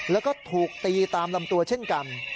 แล้วก็ถูกตีตามลำตัวเช่นกัน